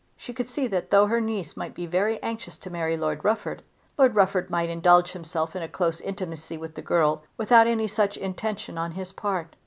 She could see that though her niece might be very anxious to marry Lord Rufford, Lord Rufford might indulge himself in a close intimacy with the girl without any such intention on his part.